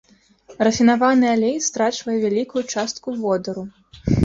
Рафінаваны алей страчвае вялікую частку водару.